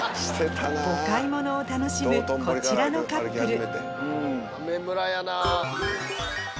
お買い物を楽しむこちらのカップル